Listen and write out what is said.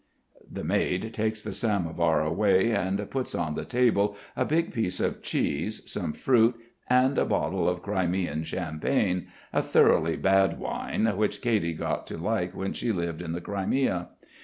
The maid takes the samovar away and puts on the table a big piece of cheese, some fruit, and a bottle of Crimean champagne, a thoroughly bad wine which Katy got to like when she lived in the Crimea.